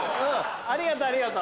・ありがとありがと。